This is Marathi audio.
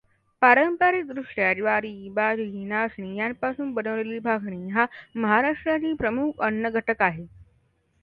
पारंपरिकदृष्ट्या ज्वारी बाजरी नाचणी यांपासून बनवलेली भाकरी हा महाराष्ट्रातील प्रमुख अन्नघटक आहे.